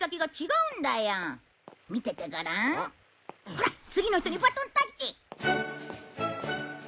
ほら次の人にバトンタッチ！